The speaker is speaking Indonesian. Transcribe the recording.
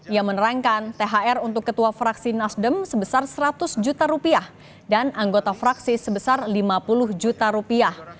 ia menerangkan thr untuk ketua fraksi nasdem sebesar seratus juta rupiah dan anggota fraksi sebesar lima puluh juta rupiah